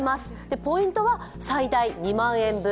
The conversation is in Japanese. ポイントは最大２万円分。